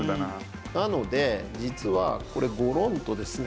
なので実はこれゴロンとですね